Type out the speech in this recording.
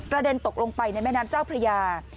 เด็นตกลงไปในแม่น้ำเจ้าพระยา